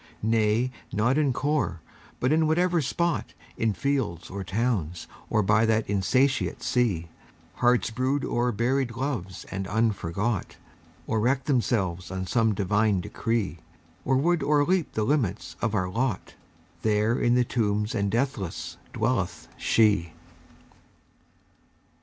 _ _Nay, not in Kôr, but in whatever spot, In fields, or towns, or by the insatiate sea, Hearts brood o'er buried Loves and unforgot, Or wreck themselves on some Divine decree, Or would o'er leap the limits of our lot, There in the Tombs and deathless, dwelleth SHE!